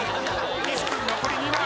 岸君残り２枚。